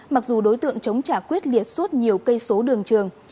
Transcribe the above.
mặc dù đối tượng chống trả quyết liệt suốt nhiều cây số đường trường